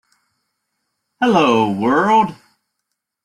"Hello, world!